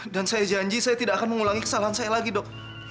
dan saya janji saya tidak akan mengulangi kesalahan saya lagi dok